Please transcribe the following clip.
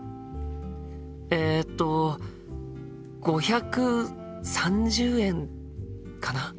えっと５３０円かな？